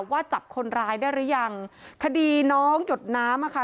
ว่าจับคนร้ายได้หรือยังคดีน้องหยดน้ำอ่ะค่ะ